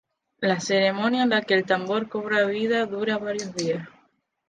La ceremonia en la que el tambor cobra vida dura varios días.